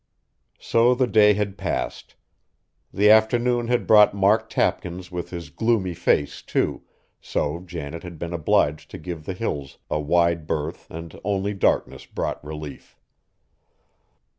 So the day had passed. The afternoon had brought Mark Tapkins with his gloomy face, too, so Janet had been obliged to give the Hills a wide berth and only darkness brought relief.